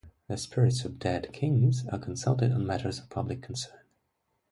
The spirits of dead kings are consulted on matters of public concern.